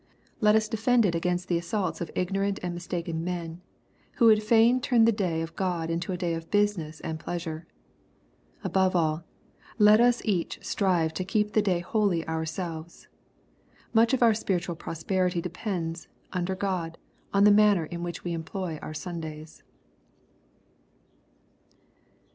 Let us defend it against the assaults of ignorant and mistaken men, who would fain turn the day of God into a day of business and pleasure. Above all, let us each strive to keep the day holy our selves. Much of our spiritual. prosperity depends, under God, on the manner in which we employ our Sundays.